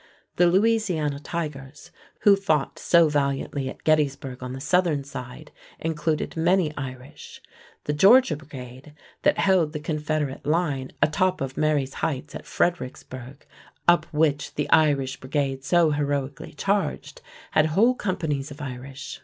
The "Louisiana Tigers", who fought so valiantly at Gettysburg on the Southern side, included many Irish. The Georgia brigade, that held the Confederate line atop of Marye's Heights at Fredericksburg, up which the Irish brigade so heroically charged, had whole companies of Irish.